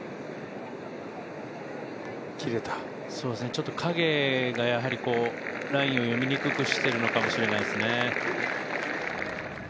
やっぱり影がラインを読みにくくしてるのかもしれないですね。